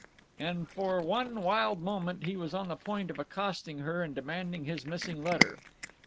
And for one wild moment he was on the point of accosting her and demanding his missing letter.